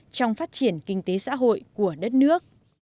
trong phát triển kinh tế xã hội của đất nước